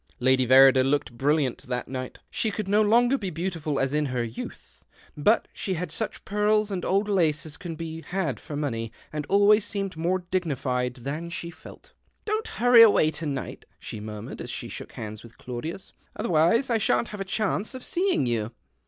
Lady ^^errider looked brilliant that night. She iould no longer be beautiful as in her youth, jut she had such pearls and old lace as can be lad for money, and always seemed more digni ied than she felt. " Don't hurry away to night," she mur mured, as she shook hands with Claudius, ■' otherwise I shan't have a chance of seeing you.